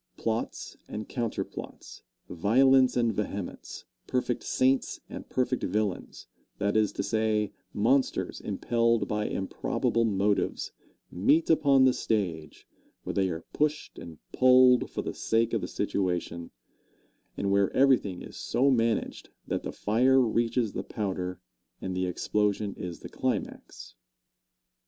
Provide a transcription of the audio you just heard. Plots and counter plots, violence and vehemence, perfect saints and perfect villains that is to say, monsters, impelled by improbable motives, meet upon the stage, where they are pushed and pulled for the sake of the situation, and where everything is so managed that the fire reaches the powder and the explosion is the climax.